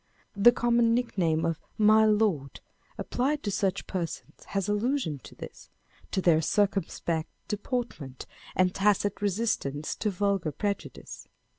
The common nick name of My Lord, applied to such persons, has allusion to this â€" to their circumspect deportment, and On the Look of a Gentleman. 295 tacit resistance to vulgar prejudice.